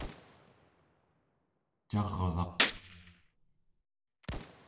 carvaq